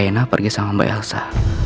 lihat rena pergi sama mbak elsa